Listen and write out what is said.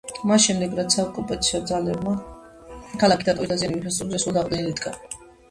მას შემდეგ რაც საოკუპაციო ძალებმა ქალაქი დატოვეს დაზიანებული ინფრასტრუქტურა სრულად აღდგენილ იქნა.